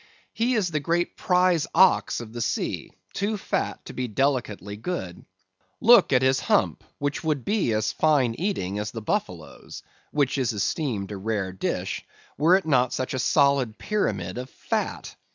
He is the great prize ox of the sea, too fat to be delicately good. Look at his hump, which would be as fine eating as the buffalo's (which is esteemed a rare dish), were it not such a solid pyramid of fat.